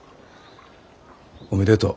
おめでとう。